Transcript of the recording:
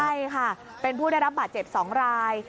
ใช่ค่ะเป็นผู้ได้รับบาดเจ็บ๒ราย